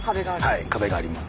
はい壁があります。